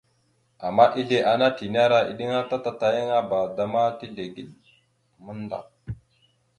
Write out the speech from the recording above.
Ama ezle ana tinera iɗəŋa ta tatayaŋaba da ma tizlegeɗ nike mandap.